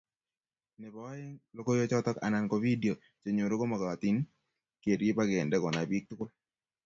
Nebo oeng, logoiwechoto anan ko video chenyoru komagatin kerib akende konai bik tugul